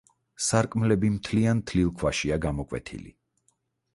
სარკმლები მთლიან თლილ ქვაშია გამოკვეთილი.